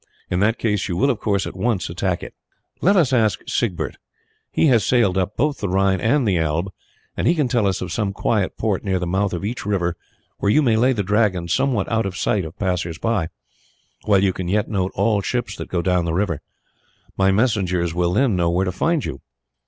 In that case you will of course at once attack it. Let us ask Siegbert. He has sailed up both the Rhine and the Elbe, and can tell us of some quiet port near the mouth of each river where you may lay the Dragon somewhat out of sight of passers by, while you can yet note all ships that go down the river. My messengers will then know where to find you."